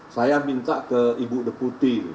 saya minta ke ibu deputi